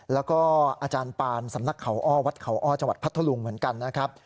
แล้วก็อาจารย์ปานสำนักเขาอ้อวัดเขาอ้อจังหวัดพัทธลุงเหมือนกันนะครับ